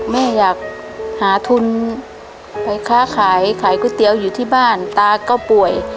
แม่อยากหาทุนไปค้าขายขายก๋วยเตี๋ยวอยู่ที่บ้านตาก็ป่วย